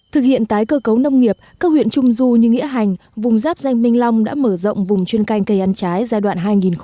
thực hiện tái cơ cấu nông nghiệp các huyện trung du như nghĩa hành vùng giáp danh minh long đã mở rộng vùng chuyên canh cây ăn trái giai đoạn hai nghìn một mươi sáu hai nghìn hai mươi